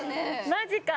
マジか！